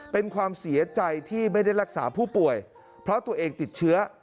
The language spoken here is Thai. เป็นความเสียใจที่ไม่ได้รักษาผู้ป่วยเพราะตัวเองติดเชื้อ